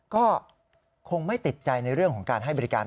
ก็คงไม่ติดใจในเรื่องของการให้บริการ